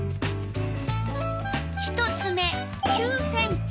１つ目９ｃｍ。